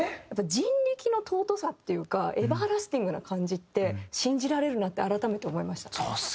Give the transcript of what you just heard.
人力の尊さっていうかエバーラスティングな感じって信じられるなって改めて思いましたね。